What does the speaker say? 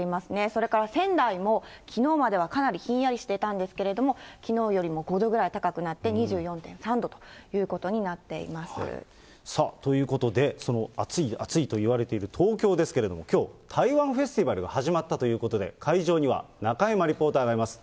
それから仙台もきのうまではかなりひんやりしていたんですけれども、きのうよりも５度ぐらい高くなって２４．３度ということになってさあ、ということで、その暑い暑いといわれている東京ですけれども、きょう、台湾フェスティバルが始まったということで、会場には中山リポーターがいます。